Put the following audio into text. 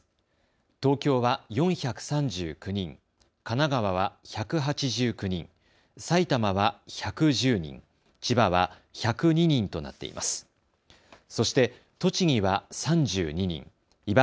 東京は４３９人、神奈川は１８９人、埼玉は１１０人、千葉は１０２人となっています。